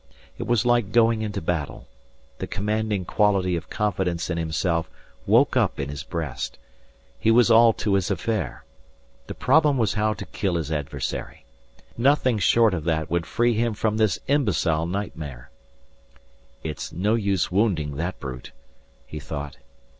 It was like going into battle. The commanding quality of confidence in himself woke up in his breast. He was all to his affair. The problem was how to kill his adversary. Nothing short of that would free him from this imbecile nightmare. "It's no use wounding that brute," he thought.